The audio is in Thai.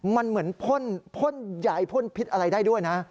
มันเหมือนพ่นพิษอะไรได้ด้วยนะ